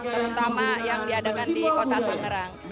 terutama yang diadakan di kota tangerang